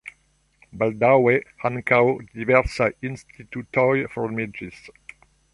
Baldaŭe ankaŭ diversaj institutoj formiĝis.